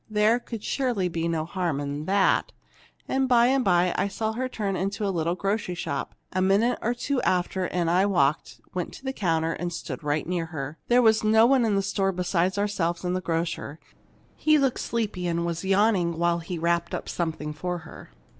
There could surely be no harm in that! And by and by I saw her turn into a little grocery shop; and a minute or two after in I walked, went to the counter, and stood right near her. There was no one in the store beside ourselves and the grocer. He looked sleepy, and was yawning while he wrapped up something for her.